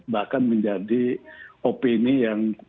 bahkan menjadi opini yang